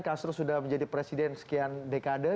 castro sudah menjadi presiden sekian dekade